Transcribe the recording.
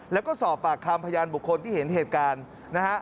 แล้วก็สอบปากคำพยานบุคคลที่เห็นเหตุการณ์นะฮะ